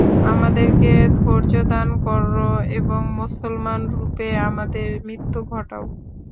আমাদেরকে ধৈর্যদান কর এবং মুসলমানরূপে আমাদের মৃত্যু ঘটাও।